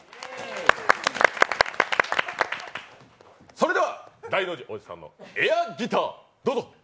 それではダイノジ大地さんのエアギターどうぞ。